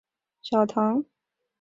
圣嘉禄小堂。